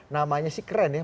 namanya sih keren ya